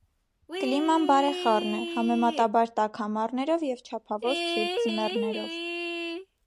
Կլիման բարեխառն է՝ համեմատաբար տաք ամառներով և չափավոր ցուրտ ձմեռներով։